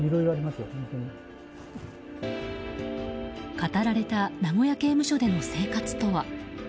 語られた名古屋刑務所での生活とは？